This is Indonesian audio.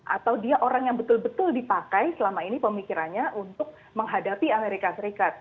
atau dia orang yang betul betul dipakai selama ini pemikirannya untuk menghadapi amerika serikat